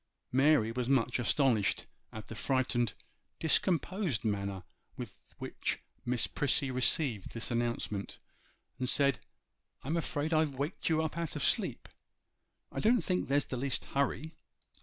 Mary was much astonished at the frightened, discomposed manner with which Miss Prissy received this announcement, and said, 'I'm afraid I've waked you up out of sleep. I don't think there's the least hurry.